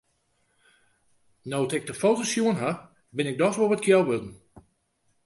No't ik de foto's sjoen ha, bin ik dochs wol wat kjel wurden.